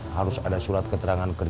harus ada surat keterangan